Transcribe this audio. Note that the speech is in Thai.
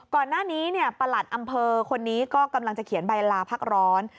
ก่อนหน้านี้ประหลัดอำเภอคนนี้ก็กำลังจะเขียนใบลาพักร้อน